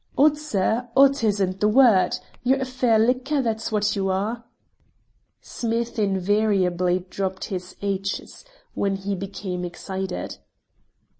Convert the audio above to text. "'Ot, sir. 'Ot isn't the word. You're a fair licker, that's what you are." Smith invariably dropped his h's when he became excited.